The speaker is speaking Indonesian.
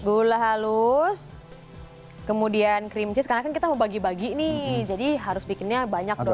gula halus kemudian cream cheese karena kan kita mau bagi bagi nih jadi harus bikinnya banyak dong